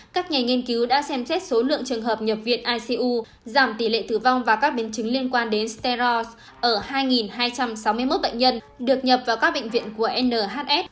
các nhà nghiên cứu đã xem xét số lượng trường hợp nhập viện icu giảm tỷ lệ tử vong và các biến chứng liên quan đến styre ở hai hai trăm sáu mươi một bệnh nhân được nhập vào các bệnh viện của nhs